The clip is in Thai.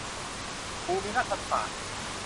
ภูมิรัฐศาสตร์